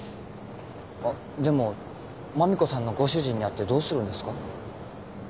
でもマミコさんのご主人に会ってどうするんですか？